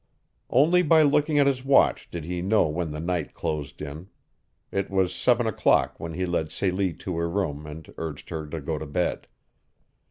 Only by looking at his watch did he know when the night closed in. It was seven o'clock when he led Celie to her room and urged her to go to bed.